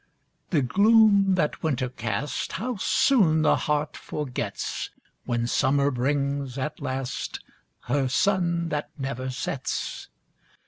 The gloom that winter cast, How soon the heart forgets, When summer brings, at last, Her sun that never sets!